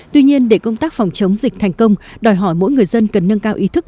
tuy nhiên để công tác phòng chống dịch thành công đòi hỏi mỗi người dân cần nâng cao ý thức